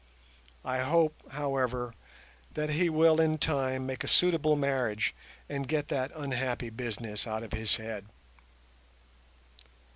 I hope, however, that he will in time make a suitable marriage and get that unhappy business out of his head.